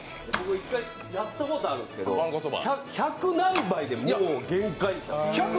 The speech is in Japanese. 一回やったことあるんですけど、１００何杯でもう限界でした。